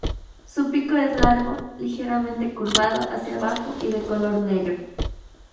Su pico es largo, ligeramente curvado hacia abajo y de color negro.